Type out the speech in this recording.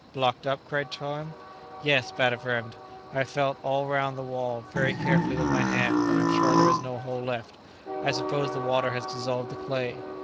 "Blocked up?" cried Tom. "Yes," Bat affirmed; "I have felt all round the wall very carefully with my hand, and I am sure there is no hole left; I suppose the water has dissolved the clay."